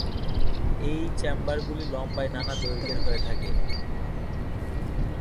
এই চেম্বার গুলি লম্বায় নানা দৈর্ঘ্যের হয়ে থাকে।